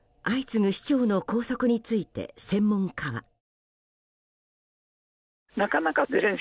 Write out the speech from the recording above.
相次ぐ市長の拘束について専門家は。